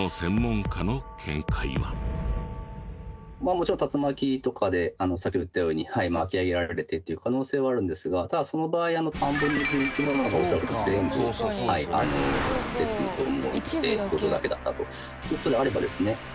もちろん竜巻とかでさっきも言ったように巻き上げられてっていう可能性はあるんですがただその場合田んぼにいる生き物が恐らく全部出てくると思うのでドジョウだけだったという事であればですね